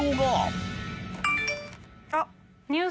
あっ。